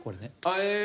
へえ。